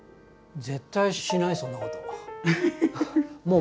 絶対しないそんなこと。